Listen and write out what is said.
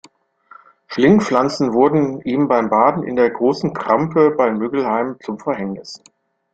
Schlingpflanzen wurden ihm beim Baden in der Großen Krampe bei Müggelheim zum Verhängnis.